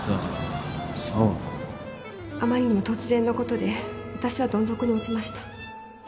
あまりにも突然のことで私はどん底に落ちました